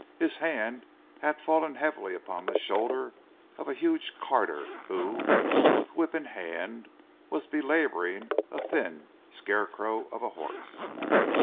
His hand had fallen heavily upon the shoulder of a huge carter, who, with whip in hand, was belabouring a thin scarecrow of a horse.